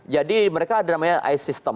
jadi mereka ada namanya ice system